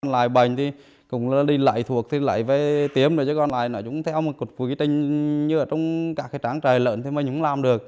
lại bệnh thì cũng đi lấy thuộc thì lấy với tiêm rồi chứ còn lại là chúng theo một cuộc quy trình như ở trong cả cái tráng trời lợn thì mình cũng làm được